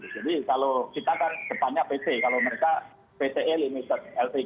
jadi kalau kita kan depannya pc kalau mereka pce limited lpg